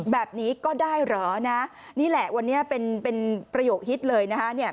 แบบนี้ก็ได้เหรอนี้แหละวันนี้เป็นประโยคฮิตเลยนะครับ